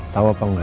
tau apa engga